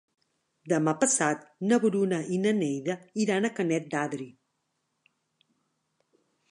Demà passat na Bruna i na Neida iran a Canet d'Adri.